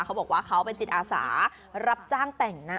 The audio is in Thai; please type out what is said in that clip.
เขาบอกว่าเขาเป็นจิตอาสารับจ้างแต่งหน้า